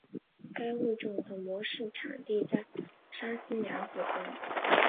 该物种的模式产地在山西娘子关。